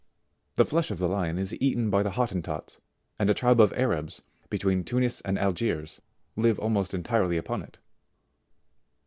[The flesh of the Lion is eaten by the Hottentots ; and a tribe of Arabs, between Tunis and Algiers, live almost entirely upon it.